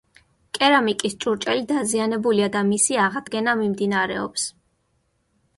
კერამიკის ჭურჭელი დაზიანებულია და მისი აღდგენა მიმდინარეობს.